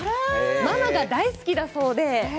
ママが大好きだそうです。